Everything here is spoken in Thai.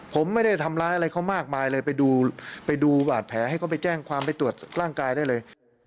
ผมไม่ได้ทำร้ายอะไรเขามากมายเลยไปดูไปดูบาดแผลให้เขาไปแจ้งความไปตรวจร่างกายได้เลย